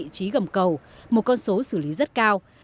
vị trí gầm cầu một con số xử lý rất cao